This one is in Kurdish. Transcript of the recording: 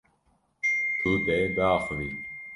Tu dê biaxivî.